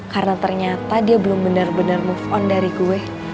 karena ternyata dia belum bener bener move on dari gue